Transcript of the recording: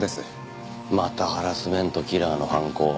またハラスメントキラーの犯行。